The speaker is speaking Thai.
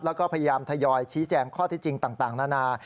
แล้วก็พยายามทยอยชี้แจงข้อที่จริงต่างนานา